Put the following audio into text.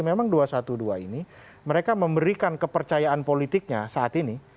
memang dua ratus dua belas ini mereka memberikan kepercayaan politiknya saat ini